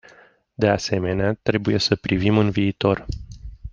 De asemenea, trebuie să privim în viitor.